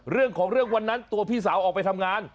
เรื่องของเรื่องวันนั้นตัวพี่สาวออกไปทำงาน